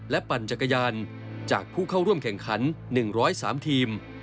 ปั่นจักรยานจากผู้เข้าร่วมแข่งขัน๑๐๓ทีม